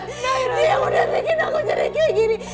dia yang udah bikin aku jadi kaya gini